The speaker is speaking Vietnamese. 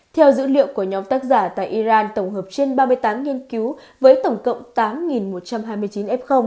theo dữ liệu của nhóm tác giả tại iran tổng hợp trên ba mươi tám nghiên cứu với tổng cộng tám một trăm hai mươi chín f